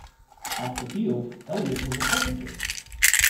Off the field, Elliott was a carpenter.